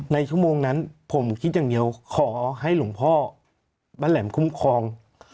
ชั่วโมงนั้นผมคิดอย่างเดียวขอให้หลวงพ่อบ้านแหลมคุ้มครอง